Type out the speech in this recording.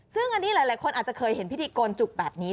ซึ่งอันนี้หลายคนอาจจะเคยเห็นพิธีโกนจุกแบบนี้